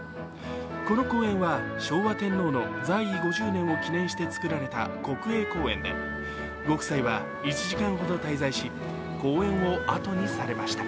この公園は昭和天皇の在位５０年を記念して造られた国営公園でご夫妻は１時間ほど滞在し公園をあとにされました。